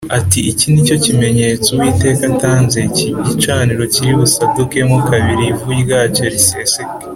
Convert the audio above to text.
ati “Iki ni cyo kimenyetso Uwiteka atanze Iki gicaniro kiri busadukemo kabiri, ivu ryacyo riseseke”